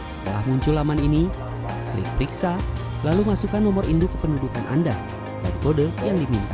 setelah muncul laman ini klik periksa lalu masukkan nomor induk kependudukan anda dari kode yang diminta